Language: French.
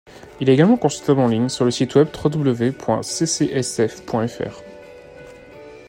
Il est également consultable en ligne sur le site web www.ccsf.fr.